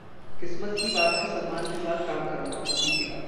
किस्मत की बात है सलमान के साथ काम करना: दीपिका